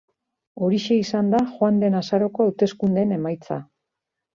Horixe izan da, joan den azaroko hauteskundeen emaitza.